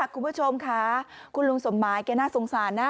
คุณผู้ชมค่ะคุณลุงสมหมายแกน่าสงสารนะ